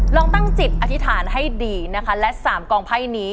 ลองตั้งจิตอธิษฐานให้ดีนะคะและ๓กองไพ่นี้